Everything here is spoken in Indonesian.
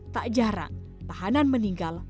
tak jarang tahanan meninggal